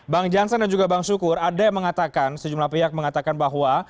bang jansen dan juga bang sukur ada yang mengatakan sejumlah pihak mengatakan bahwa